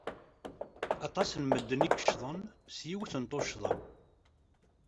Aṭas n medden i yeccḍen s yiwet n tuccḍa.